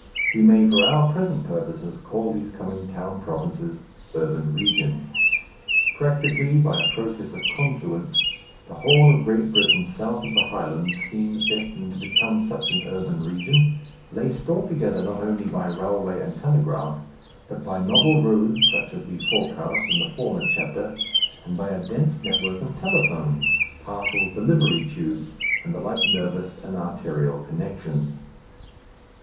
We may for our present purposes call these coming town provinces "urban regions." Practically, by a process of confluence, the whole of Great Britain south of the Highlands seems destined to become such an urban region, laced all together not only by railway and telegraph, but by novel roads such as we forecast in the former chapter, and by a dense network of telephones, parcels delivery tubes, and the like nervous and arterial connections.